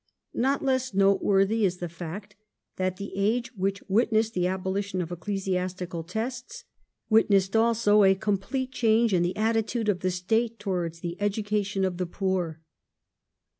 Not less noteworthy is the fact that the age which witnessed Education the abolition of Ecclesiastical tests witnessed also a complete change in the attitude of the State towards the education of the poor.